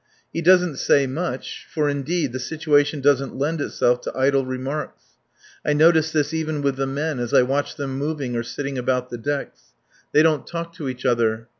He doesn't say much, for, indeed, the situation doesn't lend itself to idle remarks. I notice this even with the men as I watch them moving or sitting about the decks. They don't talk to each other.